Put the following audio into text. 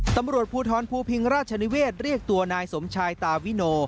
ตำรวจภูทรภูพิงราชนิเวศเรียกตัวนายสมชายตาวิโน